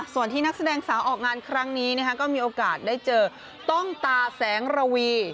ส่วนที่นักแสดงสาวออกงานครั้งนี้ก็มีโอกาสได้เจอต้องตาแสงระวี